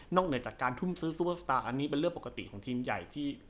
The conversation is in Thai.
เหนือจากการทุ่มซื้อซูเปอร์สตาร์อันนี้เป็นเรื่องปกติของทีมใหญ่ที่